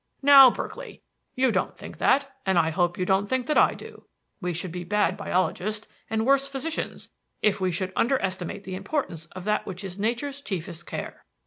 "Now, Berkeley, you don't think that, and I hope you don't think that I do. We should be bad biologists and worse physicians if we should underestimate the importance of that which is nature's chiefest care.